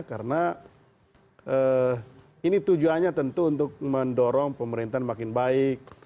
karena ini tujuannya tentu untuk mendorong pemerintahan makin baik